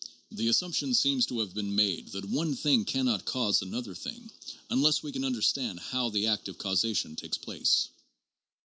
The assumption seems to have been made that one thing can not cause another thing unless we can understand how the act of causation takes place.